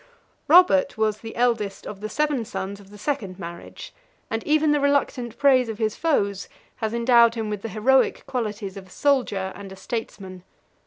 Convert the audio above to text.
Robert was the eldest of the seven sons of the second marriage; and even the reluctant praise of his foes has endowed him with the heroic qualities of a soldier and a statesman.